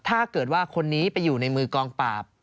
ถ้าเกิดว่าคนนี้ไปอยู่ในมือกองปราบ